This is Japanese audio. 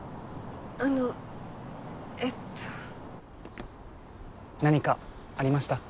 あのえっと何かありました？